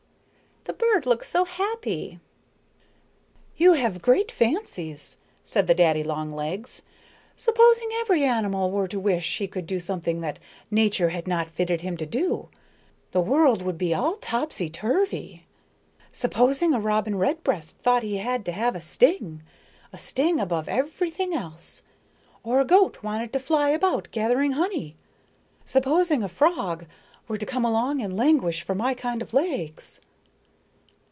"The bird looks so happy." "You have great fancies," said the daddy long legs. "Supposing every animal were to wish he could do something that nature had not fitted him to do, the world would be all topsy turvy. Supposing a robin redbreast thought he had to have a sting a sting above everything else or a goat wanted to fly about gathering honey. Supposing a frog were to come along and languish for my kind of legs."